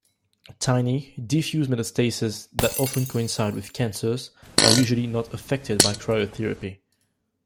Tiny, diffuse metastases that often coincide with cancers are usually not affected by cryotherapy.